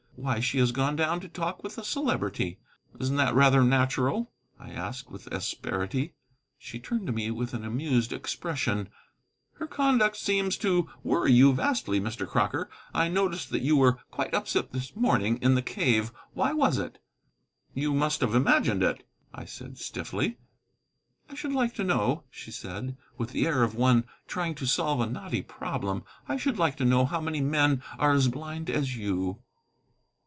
"Why, she has gone down to talk with the Celebrity." "Isn't that rather natural?" I asked with asperity. She turned to me with an amused expression. "Her conduct seems to worry you vastly, Mr. Crocker. I noticed that you were quite upset this morning in the cave. Why was it?" "You must have imagined it," I said stiffly. "I should like to know," she said, with the air of one trying to solve a knotty problem, "I should like to know how many men are as blind as you."